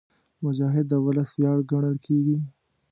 مجاهد د ولس ویاړ ګڼل کېږي.